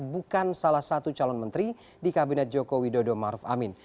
bukan salah satu calon menteri di kabinet joko widodo maruf amin